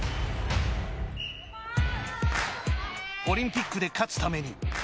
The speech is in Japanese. オリンピックで勝つために。